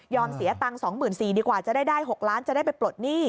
เสียตังค์๒๔๐๐ดีกว่าจะได้๖ล้านจะได้ไปปลดหนี้